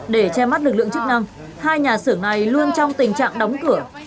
để che mắt lực lượng chức năng hai nhà xưởng này luôn trong tình trạng đóng cửa